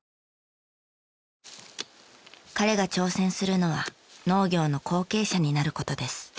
彼が挑戦するのは農業の後継者になる事です。